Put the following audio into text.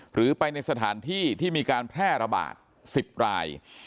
หรือไปในสถานที่ที่มีการแพร่ระบาด๑๐ราย